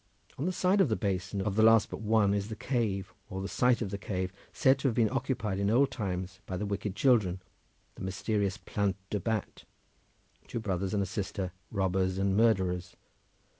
On the side of the basin of the last but one is the cave, or the site of the cave, said to have been occupied in old times by the Wicked Children, the mysterious Plant de Bat, two brothers and a sister, robbers and murderers.